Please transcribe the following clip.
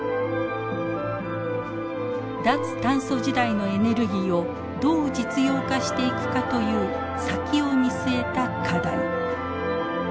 脱炭素時代のエネルギーをどう実用化していくかという先を見据えた課題。